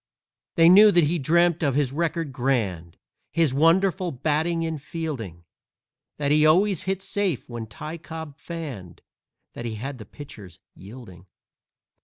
They knew that he dreamed of his record grand, His wonderful batting and fielding, That he always hit safe when Ty Cobb fanned, That he had the pitchers yielding.